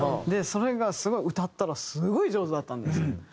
それがすごい歌ったらすごい上手だったんです。